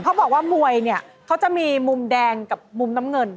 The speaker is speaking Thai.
เขาบอกว่ามวยเนี่ยเขาจะมีมุมแดงกับมุมน้ำเงิน